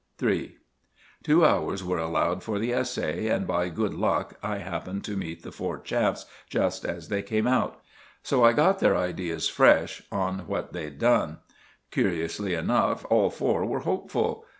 *III* Two hours were allowed for the essay, and by good luck I happened to meet the four chaps just as they came out. So I got their ideas fresh on what they'd done. Curiously enough, all four were hopeful.